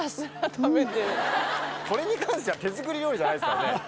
これに関しては手作り料理じゃないですからね。